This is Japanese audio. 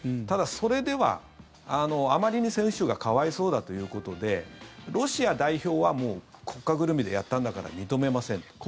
ただ、それではあまりに選手が可哀想だということでロシア代表は国家ぐるみでやったんだから認めませんと。